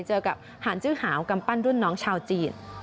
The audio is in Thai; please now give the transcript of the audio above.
เจอกับหานจื้อหาวกำปั้นรุ่นน้องชาวจีน